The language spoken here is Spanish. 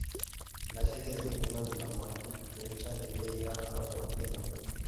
La serie de molinos de la margen derecha debía llegar al puente nuevo.